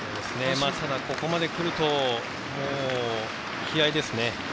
ここまでくると気合いですね。